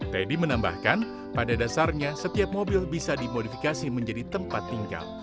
teddy menambahkan pada dasarnya setiap mobil bisa dimodifikasi menjadi tempat tinggal